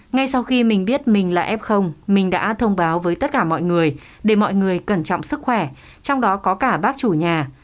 ngay sau khi mình biết mình là f mình đã thông báo với tất cả mọi người để mọi người cẩn trọng sức khỏe trong đó có cả bác chủ nhà